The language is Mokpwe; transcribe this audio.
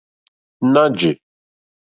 Ná jè.